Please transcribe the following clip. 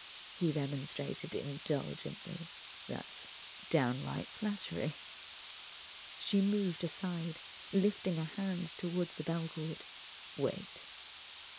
he remonstrated, indulgently—"that's downright flattery." She moved aside, lifting a hand toward the bell cord. "Wait!"